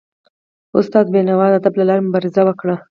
استاد بینوا د ادب له لاري مبارزه وکړه.